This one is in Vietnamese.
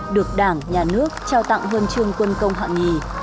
được đảng nhà nước trao tặng huân chương quân công hạng nhì